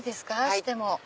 しても。